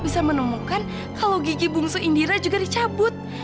bisa menemukan kalau gigi bungsu indira juga dicabut